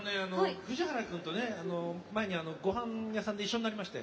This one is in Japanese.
藤原君と前に、ごはん屋さんで一緒になりまして。